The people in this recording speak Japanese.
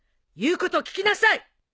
言うこと聞きなさい！